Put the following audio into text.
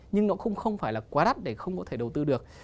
nhưng nó không phải là quá đắt để không có thể đầu tư được